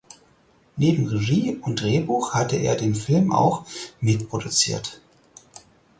Neben Regie und Drehbuch hatte er den Film auch mitproduziert.